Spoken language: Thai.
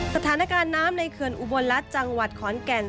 สถานการณ์น้ำในเขื่อนอุบลรัฐจังหวัดขอนแก่น